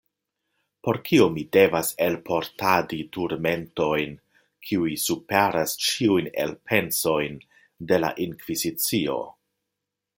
Por kio mi devas elportadi turmentojn, kiuj superas ĉiujn elpensojn de la inkvizicio?